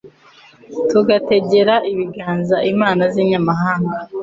tugategera ibiganza imana z’inyamahanga